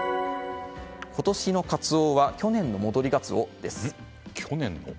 今年のカツオは去年の戻りガツオ？です。